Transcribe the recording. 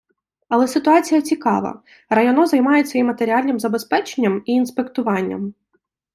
Але ситуація цікава: районо займається і матеріальним забезпеченням, і інспектуванням.